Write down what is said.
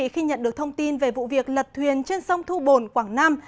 khi nhận được thông tin về vụ việc lật thuyền trên sông thu bồn quảng nam